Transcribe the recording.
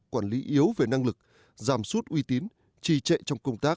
quản lý yếu về năng lực giảm suốt uy tín trì trệ trong công tác